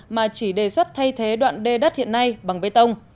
mà chỉ đề xuất thay thế đoạn đê đất hiện nay bằng bê tông